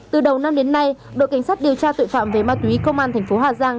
từ đầu năm đến nay đội cảnh sát điều tra tội phạm về ma túy công an thành phố hà giang